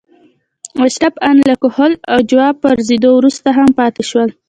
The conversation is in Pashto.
اشراف ان له کهول اجاو پرځېدو وروسته هم پاتې شول.